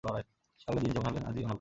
সে হলো আদি জিন, যেমন আদম হলেন আদি মানব।